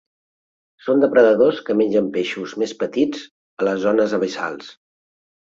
Són depredadors que mengen peixos més petits a les zones abissals.